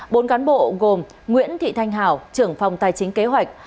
bốn cán bộ gồm nguyễn thị thanh hảo trưởng phòng tài chính kế hoạch